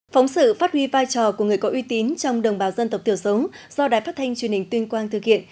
phóng sự phát huy vai trò của người có uy tín trong đồng bào dân tộc thiểu số do đài phát thanh truyền hình tuyên quang thực hiện